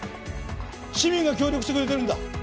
市民が協力してくれてるんだ。